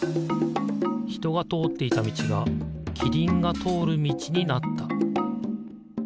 ひとがとおっていたみちがキリンがとおるみちになった。